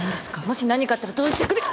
もし何かあったらどうしてくれる。